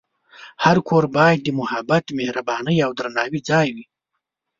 هر کور باید د محبت، مهربانۍ، او درناوي ځای وي.